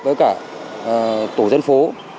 với cả tổ dân phố